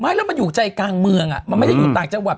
ไม่แล้วมันอยู่ใจกลางเมืองมันไม่ได้อยู่ต่างจังหวัด